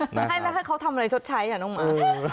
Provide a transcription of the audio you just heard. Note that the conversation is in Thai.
มาให้แล้วให้เขาทำอะไรชดใช้อ่ะน้องหมา